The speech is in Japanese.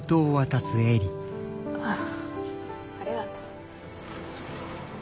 あありがとう。